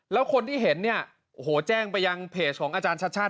แล้วคนที่เห็นเนี่ยโอ้โหแจ้งไปยังเพจของอาจารย์ชัดชาติ